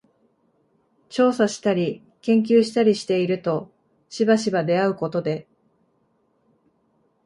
調査したり研究したりしているとしばしば出合うことで、